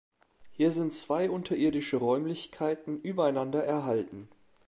Hier sind zwei unterirdische Räumlichkeiten übereinander erhalten.